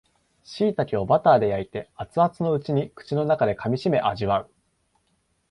しいたけをバターで焼いて熱々のうちに口の中で噛みしめ味わう